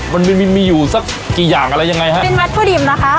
มันมีมีอยู่สักกี่อย่างอะไรยังไงฮะเป็นวัตถุดิบนะคะ